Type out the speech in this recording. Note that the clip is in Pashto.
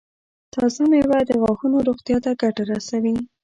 تازه مېوه د غاښونو روغتیا ته ګټه رسوي.